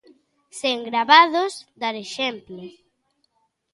Sen gravados, dar exemplo.